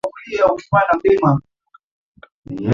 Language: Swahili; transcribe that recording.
alijikusanyia asilimia ishirini na tano nukta sitini na sita